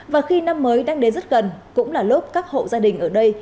và khi năm mới đang đến rất gần cũng là lúc các hộ gia đình ở đây